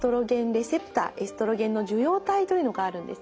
レセプターエストロゲンの受容体というのがあるんですね。